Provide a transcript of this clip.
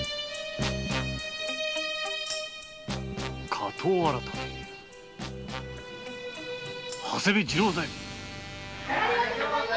火盗改め長谷部次郎左衛門。